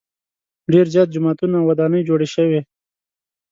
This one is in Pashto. ډېر زیات جوماتونه او ودانۍ جوړې شوې.